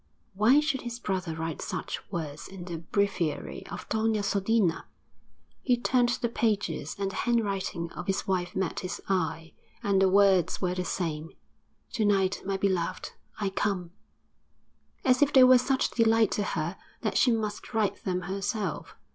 Why should his brother write such words in the breviary of Doña Sodina? He turned the pages and the handwriting of his wife met his eye and the words were the same 'To night, my beloved, I come' as if they were such delight to her that she must write them herself.